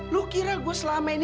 lu kira gue selama ini